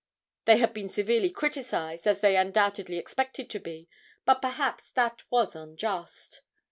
They had been severely criticised as they undoubtedly expected to be, but perhaps that was unjust.